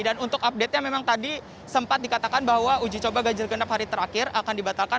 dan untuk update yang memang tadi sempat dikatakan bahwa uji coba gajil genap hari terakhir akan dibatalkan